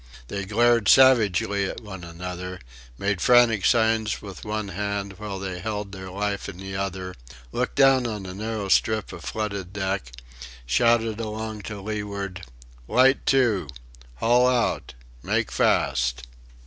They glared savagely at one another, made frantic signs with one hand while they held their life in the other, looked down on the narrow strip of flooded deck, shouted along to leeward: "Light to!"... "Haul out!"... "Make fast!"